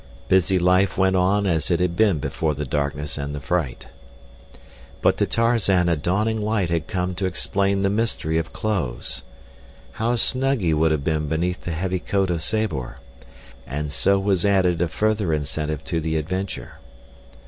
Busy life went on as it had been before the darkness and the fright. But to Tarzan a dawning light had come to explain the mystery of clothes. How snug he would have been beneath the heavy coat of Sabor! And so was added a further incentive to the adventure.